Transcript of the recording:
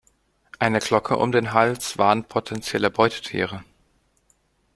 Eine Glocke um den Hals warnt potenzielle Beutetiere.